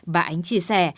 bà ấy chia sẻ